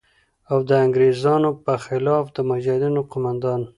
او د انگریزانو په خلاف د مجاهدینو قوماندان